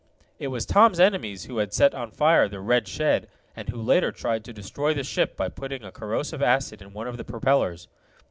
It was Tom's enemies who had set on fire the red shed, and who later tried to destroy the ship by putting a corrosive acid in one of the propellers.